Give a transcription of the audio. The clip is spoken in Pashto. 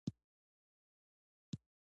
ناڅاپه امیر صېب ټق ټق پۀ خندا شۀ ـ